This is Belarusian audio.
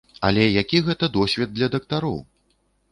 Але які гэта досвед для дактароў!